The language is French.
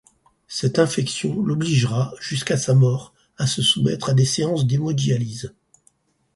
Cette infection l'obligera, jusqu'à sa mort, à se soumettre à des séances d'hémodialyse.